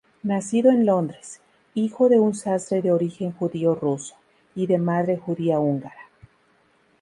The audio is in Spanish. Nacido en Londres, hijo de un sastre de origen judío-ruso, y de madre judía-húngara.